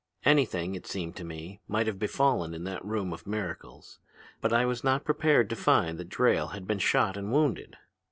Anything, it seemed to me, might have befallen in that room of miracles. But I was not prepared to find that Drayle had been shot and wounded.